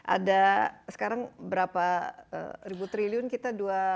ada sekarang berapa ribu triliun kita